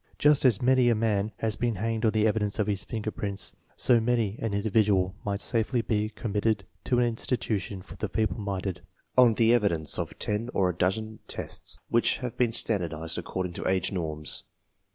Just as many a man has been hanged on the evidence of his finger prints, so many an individual might safely be com mitted to an institution for the feeble minded on the evidence of ten or a dozen intelligence tests which have been standardized according to age norms.